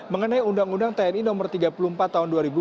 mengenai undang undang tni nomor tiga puluh empat tahun dua ribu dua